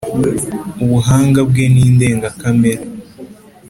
Ubuhanga bwe ni indengakamere